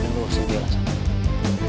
lo sendiri alasan